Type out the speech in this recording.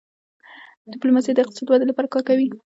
ډيپلوماسي د اقتصادي ودې لپاره کار کوي.